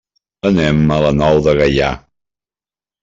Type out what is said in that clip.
Anem a la Nou de Gaià.